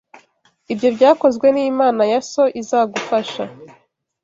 Ibyo byakozwe n’Imana ya so, izagufasha